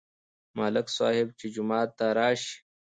ملک صاحب چې جومات ته راشي،